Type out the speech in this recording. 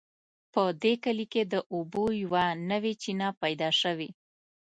په دې کلي کې د اوبو یوه نوې چینه پیدا شوې